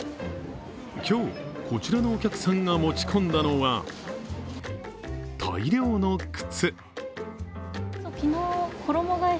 今日、こちらのお客さんが持ち込んだのは大量の靴。